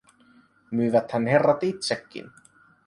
Myyväthän herrat itsekin.